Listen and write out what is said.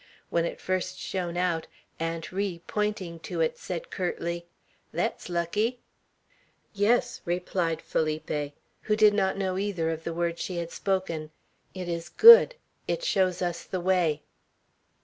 When it first shone out, Aunt Ri, pointing to it, said curtly, "Thet's lucky." "Yes," replied Felipe, who did not know either of the words she had spoken, "it is good. It shows to us the way."